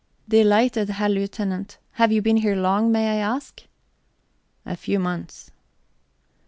"Delighted, Herr Lieutenant. Have you been here long, may I ask?" "A few months."